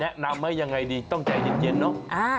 แนะนำว่ายังไงดีต้องใจเย็นเนอะ